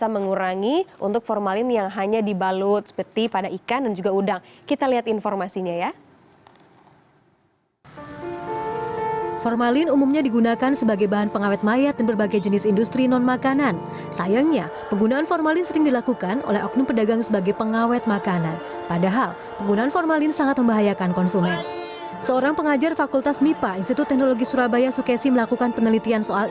mengurangi kadar formalin pada mie bisa dilakukan dengan cara merendam mie ke dalam air panas selama tiga puluh menit